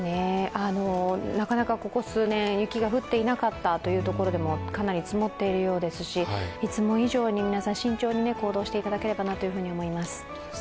なかなかここ数年、雪が降っていなかったというところでもかなり積もっているようですし、いつも以上に皆さん、慎重に行動していただければなと思います。